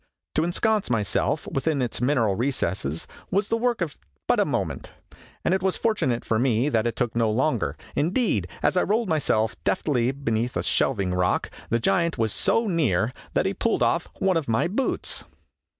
To ensconce myself within its mineral recesses was the work of but a moment, and it was fortunate for me that it took no longer. Indeed, as I rolled myself deftly beneath a shelving rock, the giant was so near that he pulled off one of my boots.